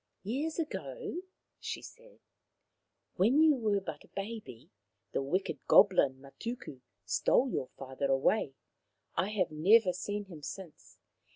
" Years ago," she said, " when you were but a raby, the wicked goblin Matuku stole your father away. I have never seen him since.